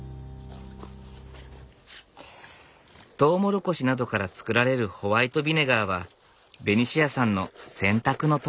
トウモロコシなどから作られるホワイトビネガーはベニシアさんの洗濯の友。